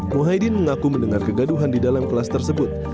muhaydin mengaku mendengar kegaduhan di dalam kelas tersebut